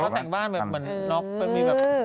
สำบันเป็นบ้าน